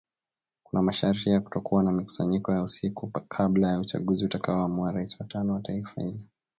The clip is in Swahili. Kuna masharti ya kutokuwa na mikusanyiko ya usiku kabla ya uchaguzi utakao amua rais wa tano wa taifa hilo